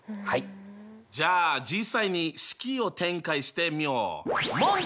じゃあ実際に式を展開してみよう！